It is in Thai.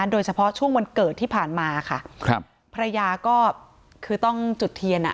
โดยเฉพาะช่วงวันเกิดที่ผ่านมาค่ะครับภรรยาก็คือต้องจุดเทียนอ่ะ